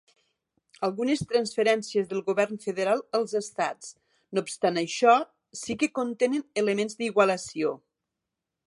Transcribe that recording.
Algunes transferències del govern federal als estats, no obstant això, sí que contenen elements d'igualació.